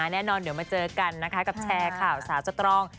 แน่นอนเดี๋ยวมาเจอกันนะคะกับแชร์ข่าวสาวสตรอง